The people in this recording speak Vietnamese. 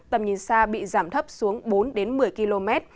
tầm nhìn xa bị giảm thấp xuống bốn một mươi km